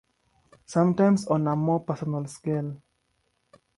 Sometimes on a more personal scale.